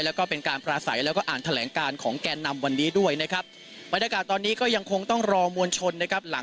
แล้วก็เป็นการพราษัยแล้วก็อ่านแถลงการของแก่นำวันนี้ด้วยนะครับ